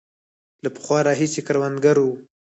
له پخوا راهیسې کروندګر وو.